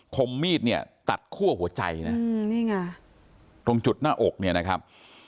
มมีดเนี่ยตัดคั่วหัวใจนะนี่ไงตรงจุดหน้าอกเนี่ยนะครับ